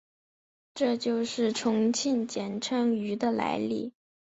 这就是重庆简称渝的来历。